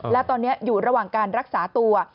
และตอนนี้อยู่ระหว่างการรักษาตัว